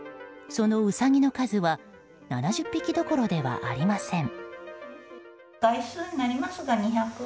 そのウサギの数は７０匹どころではありません。